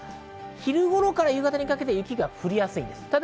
昼頃から夕方にかけて雪が降りやすそうです。